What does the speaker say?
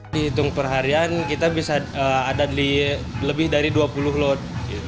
di hitung perharian kita bisa ada lebih dari dua puluh lot